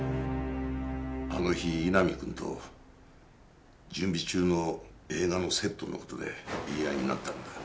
あの日井波くんと準備中の映画のセットの事で言い合いになったんだ。